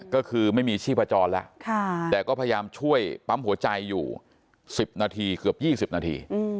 ก็คือไม่มีชีพจรแล้วแต่ก็พยายามช่วยปั๊มหัวใจอยู่๑๐นาทีเกือบ๒๐นาที